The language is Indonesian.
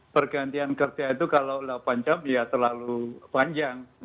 pergantian kerja itu kalau delapan jam ya terlalu panjang